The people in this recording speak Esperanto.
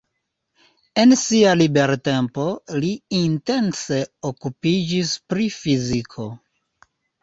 En sia libertempo, li intense okupiĝis pri fiziko.